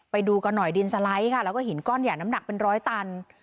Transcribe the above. ไปดูกันหน่อยดินสไลด์ค่ะแล้วก็หินก้อนใหญ่น้ำหนักเป็นร้อยตัน